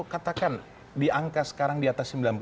katakan di angka sekarang di atas